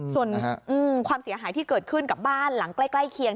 ส่วนความเสียหายที่เกิดขึ้นกับบ้านหลังใกล้เคียง